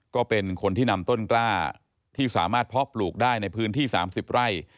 ก็เป็นคนที่นำต้นกล้าที่สามารถเพาะปลูกได้ในพื้นที่๓๐ไร่